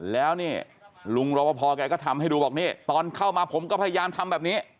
แล้วนี่ลุงรบพอแกก็ทำให้ดูบอกนี่ตอนเข้ามาผมก็พยายามทำแบบนี้